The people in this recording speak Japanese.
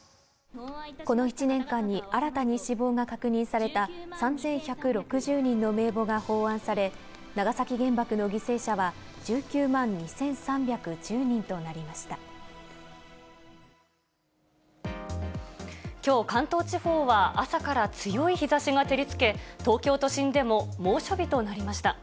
この１年間に新たに死亡が確認された３１６０人の名簿が奉安され、長崎原爆の犠牲者は、きょう、関東地方は朝から強い日ざしが照りつけ、東京都心でも猛暑日となりました。